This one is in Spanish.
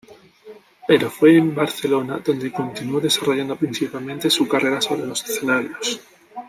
Pero fue en Barcelona donde continuó desarrollando principalmente su carrera sobre los escenarios.